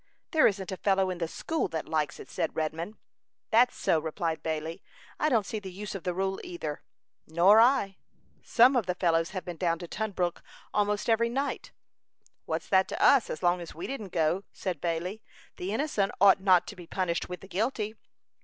"There isn't a fellow in the school that likes it," said Redman. "That's so," replied Bailey. "I don't see the use of the rule either." "Nor I." "Some of the fellows have been down to Tunbrook almost every night." "What's that to us, as long as we didn't go?" said Bailey. "The innocent ought not to be punished with the guilty."